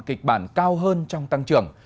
kịch bản cao hơn trong tăng trưởng